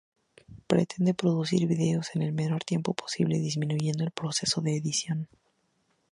Pretende producir vídeos en el menor tiempo posible, disminuyendo el proceso de edición.